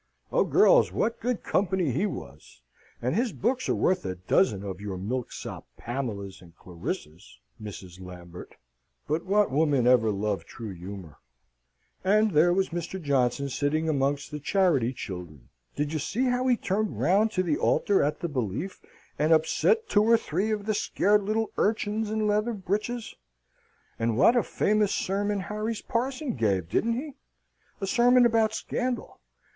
"Oh, girls, what good company he was! And his books are worth a dozen of your milksop Pamelas and Clarissas, Mrs. Lambert: but what woman ever loved true humour? And there was Mr. Johnson sitting amongst the charity children. Did you see how he turned round to the altar at the Belief, and upset two or three of the scared little urchins in leather breeches? And what a famous sermon Harry's parson gave, didn't he? A sermon about scandal.